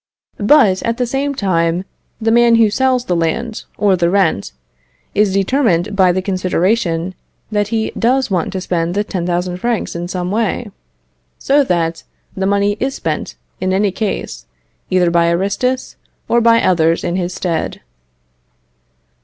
But, at the same time, the man who sells the land or the rent, is determined by the consideration that he does want to spend the 10,000 francs in some way; so that the money is spent in any case, either by Aristus or by others in his stead.